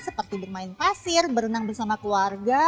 seperti bermain pasir berenang bersama keluarga